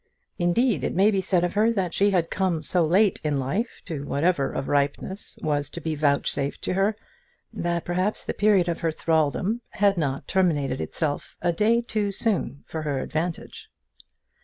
Indeed it may be said of her, that she had come so late in life to whatever of ripeness was to be vouchsafed to her, that perhaps the period of her thraldom had not terminated itself a day too soon for her advantage.